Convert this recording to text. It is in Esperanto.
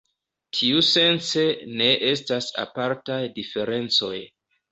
Tiusence, ne estas apartaj diferencoj.